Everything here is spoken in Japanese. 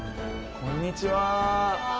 こんにちは。